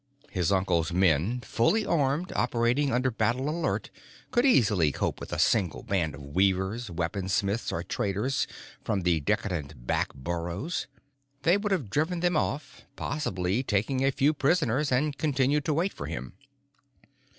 His uncle's men, fully armed, operating under battle alert, could easily cope with a single band of weavers, weaponsmiths or traders from the decadent back burrows. They would have driven them off, possibly taking a few prisoners, and continued to wait for him.